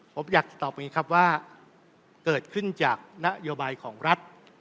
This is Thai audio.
ผมอยากจะตอบว่าเกิดขึ้นจากนโยบายของรัฐ